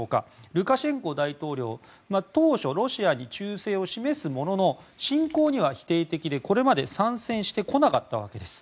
ルカシェンコ大統領当初、ロシアに忠誠を示すものの侵攻には否定的でこれまで参戦してこなかったわけです。